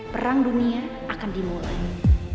perang dunia akan dimulai